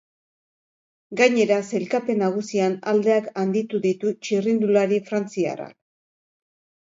Gainera, sailkapen nagusian aldeak handitu ditu txirrindulari frantziarrak.